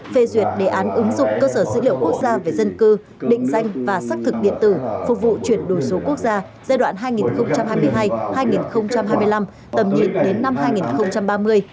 phê duyệt đề án ứng dụng cơ sở dữ liệu quốc gia về dân cư định danh và xác thực điện tử phục vụ chuyển đổi số quốc gia giai đoạn hai nghìn hai mươi hai hai nghìn hai mươi năm tầm nhìn đến năm hai nghìn ba mươi